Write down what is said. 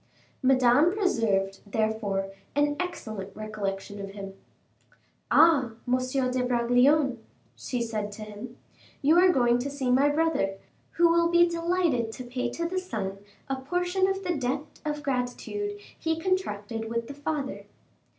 Madame preserved therefore an excellent recollection of him. "Ah! M. de Bragelonne," she said to him, "you are going to see my brother, who will be delighted to pay to the son a portion of the debt of gratitude he contracted with the father."